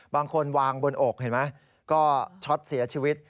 บางคนวางบนอกเห็นไหมก็ช็อตเสียชีวิต